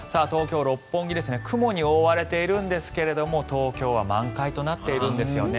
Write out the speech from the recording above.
東京・六本木雲に覆われているんですが東京は満開となっているんです。